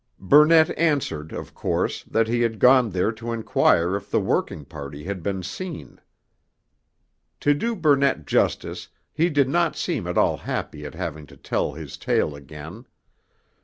Burnett answered, of course, that he had gone there to inquire if the working party had been seen. To do Burnett justice, he did not seem at all happy at having to tell his tale again.